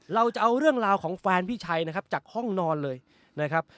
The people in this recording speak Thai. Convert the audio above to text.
เราจะเอาเรื่องราวของแฟนพี่ชัยนะครับจากห้องนอนเลยนะครับ